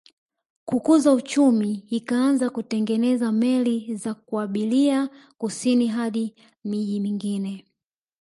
Kukuza uchumi ikaanza kutengeneza meli za kuabiria kusini hadi miji mingine